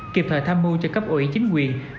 kiệp thời tham mưu cho cấp ủy chính quyền